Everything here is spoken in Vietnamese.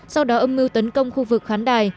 sau đó âm mưu tấn công khu vực khán đài